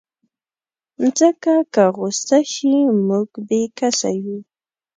مځکه که غوسه شي، موږ بېکسه یو.